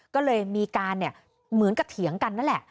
ก็เลยมีการเหมือนกับเถียงกันนั่นแหละ